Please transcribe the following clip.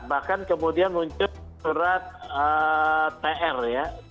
bahkan kemudian muncul surat tr ya